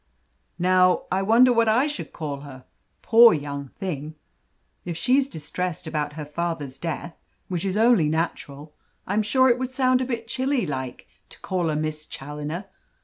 "Now, I wonder what I should call her. Poor young thing! if she's distressed about her father's death which is only natural, I'm sure it would sound a bit chilly like to call her Miss Challoner.